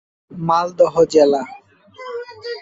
মালদহ জেলা